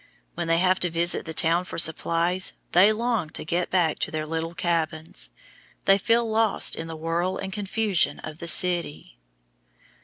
When they have to visit the town for supplies, they long to get back to their little cabins. They feel lost in the whirl and confusion of the city.